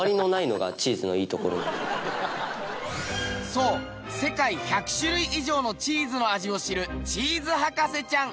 そう世界１００種類以上のチーズの味を知るチーズ博士ちゃん。